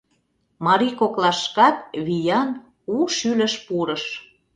Марий коклашкат виян, у шӱлыш пурыш.